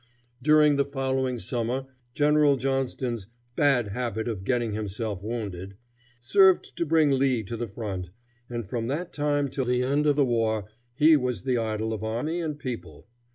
During the following summer General Johnston's "bad habit of getting himself wounded" served to bring Lee to the front, and from that time till the end of the war he was the idol of army and people.